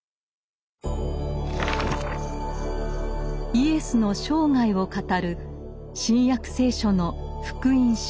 イエスの生涯を語る「新約聖書」の「福音書」。